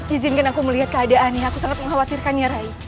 izinkan aku melihat keadaannya aku sangat mengkhawatirkannya rai